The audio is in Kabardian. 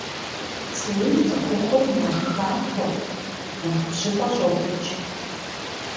Цейм цӏыхухъур нэхъ хахуэ, нэхъ бжьыфӏэ щӏохъукӏ.